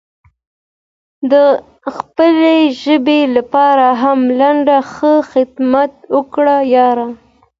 د خپلې ژبې لپاره هم لږ څه خدمت وکړه یاره!